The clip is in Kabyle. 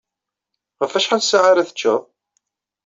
Ɣef wacḥal ssaɛa ara teččeḍ?